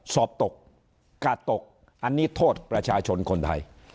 สอบตกกาดตกอันนี้โทษประชาชนคนไทย